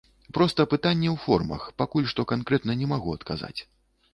Проста пытанне ў формах, пакуль што канкрэтна не магу адказаць.